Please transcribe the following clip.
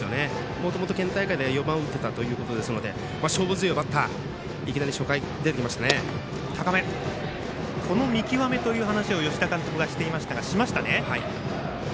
もともと県大会では４番を打っていたということですので勝負強いバッター見極めという話を吉田監督はしていましたがしましたね。